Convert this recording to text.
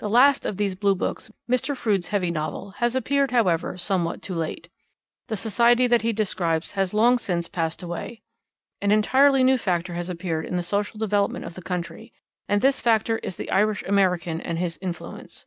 The last of these Blue books, Mr. Froude's heavy novel, has appeared, however, somewhat too late. The society that he describes has long since passed away. An entirely new factor has appeared in the social development of the country, and this factor is the Irish American and his influence.